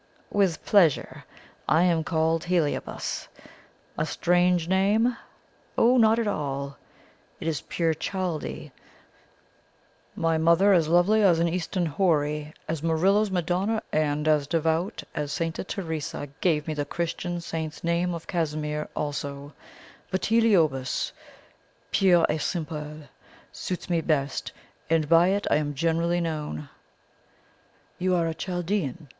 "'With pleasure. I am called Heliobas. A strange name? Oh, not at all! It is pure Chaldee. My mother as lovely an Eastern houri as Murillo's Madonna, and as devout as Santa Teresa gave me the Christian saint's name of Casimir also, but Heliobas pur et simple suits me best, and by it I am generally known.' "'You are a Chaldean?'